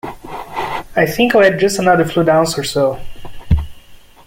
I think I'll add just another fluid ounce or so.